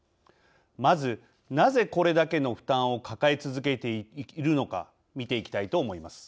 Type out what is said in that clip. まずなぜこれだけの負担を抱え続けているのか見ていきたいと思います。